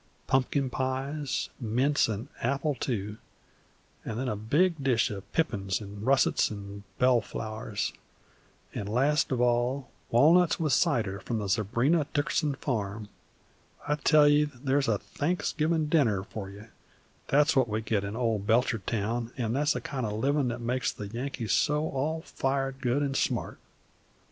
Pumpkin pies, mince an' apple too, and then a big dish of pippins an' russets an' bellflowers, an', last of all, walnuts with cider from the Zebrina Dickerson farm! I tell ye, there's a Thanksgivin' dinner for ye! that's what we get in old Belchertown; an' that's the kind of livin' that makes the Yankees so all fired good an' smart.